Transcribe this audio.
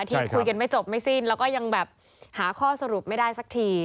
ที่คุยกันไม่จบไม่สิ้นแล้วก็ยังแบบหาข้อสรุปไม่ได้สักที